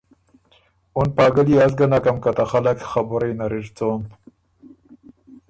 اُن پاګل يې از ګه نکم که ته خلق خبُرئ نر اِر څوم۔